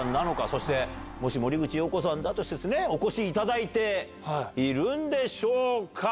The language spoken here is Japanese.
そしてもし森口瑤子さんだとしてお越しいただいているんでしょうか？